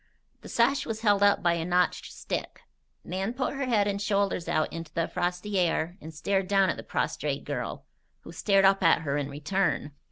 The sash was held up by a notched stick. Nan put her head and shoulders out into the frosty air and stared down at the prostrate girl, who stared up at her in return.